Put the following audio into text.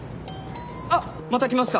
あっまた来ました！